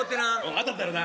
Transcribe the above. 当たったらな。